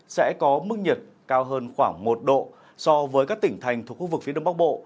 sẽ có mức nhiệt cao hơn khoảng một độ so với các tỉnh thành thuộc khu vực phía đông bắc bộ